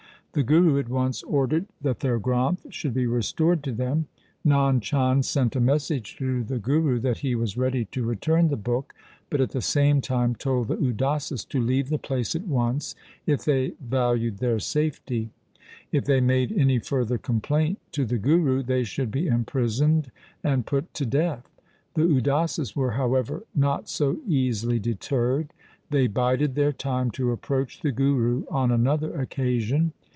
The Guru at once ordered that their Granth should be restored to them. Nand 88 THE SIKH RELIGION Chand sent a message to the Guru that he was ready to return the book, but at the same time told the Udasis to leave the place at once if they valued their safety. If they made any further complaint to the Guru, they should be imprisoned and put to death. The Udasis were, however, not so easily deterred. They bided their time to approach the Guru on another occasion.